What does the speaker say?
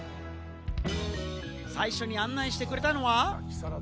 最初に案内してくれたのは。